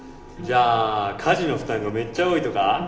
じゃあ家事の負担がめっちゃ多いとか？